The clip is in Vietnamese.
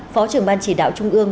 phó trưởng ban chỉ đạo trung ương